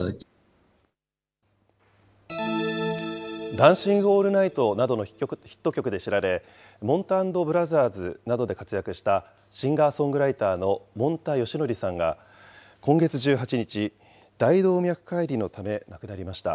ダンシング・オールナイトなどのヒット曲で知られ、もんた＆ブラザーズなどで活躍した、シンガーソングライターのもんたよしのりさんが、今月１８日、大動脈解離のため亡くなりました。